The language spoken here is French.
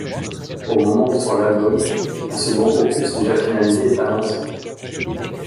Au moment où sort l'album, un second opus déjà finalisé est annoncé.